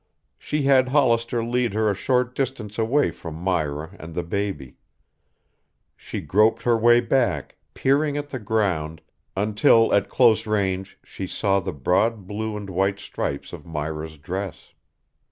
She had Hollister lead her a short distance away from Myra and the baby. She groped her way back, peering at the ground, until at close range she saw the broad blue and white stripes of Myra's dress.